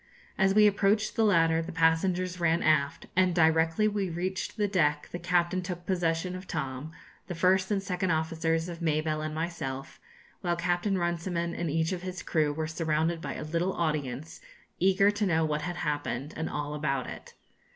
As we approached the ladder the passengers ran aft, and directly we reached the deck the captain took possession of Tom, the first and second officers of Mabelle and myself, while Captain Runciman and each of his crew were surrounded by a little audience eager to know what had happened, and all about it.